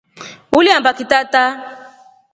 Uliambaki tata?